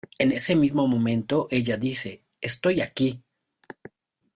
En ese mismo momento, ella dice ""¡Estoy aquí!